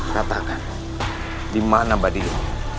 katakan dimana badirul